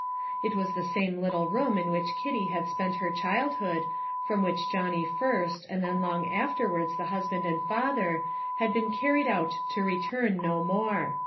It was the same little room in which Kitty had spent her childhood, from which Johnny first, and then long afterwards the husband and father, had been carried out to return no more.